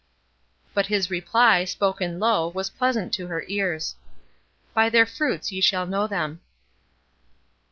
But his reply, spoken low, was pleasant to her ears: "'By their fruits ye shall know them.'"